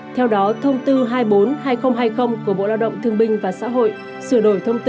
theo đó thông tư hai mươi bốn hai nghìn hai mươi của bộ lao động thương binh và xã hội sửa đổi thông tư một mươi hai nghìn một mươi bảy